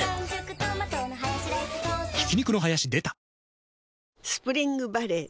ッスプリングバレー